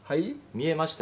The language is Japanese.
見えましたよ。